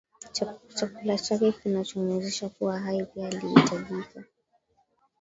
chakula chake kinachomwezesha kuwa hai pia alihitajika